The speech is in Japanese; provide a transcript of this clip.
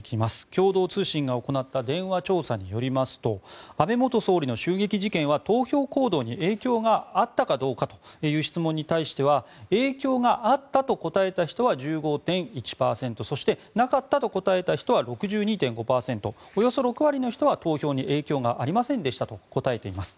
共同通信が行った電話調査によりますと安倍元総理の襲撃事件は投票行動に影響があったかどうかという質問に対しては影響があったと答えた人は１５．１％そして、なかったと答えた人は６２．５％およそ６割の人は投票に影響はありませんでしたと答えています。